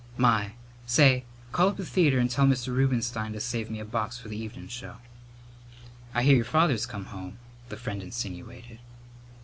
My! Say, call up the theatre and tell Mr. Rubenstein to save me a box for the evenin' show." "I hear your father's come home," the friend insinuated.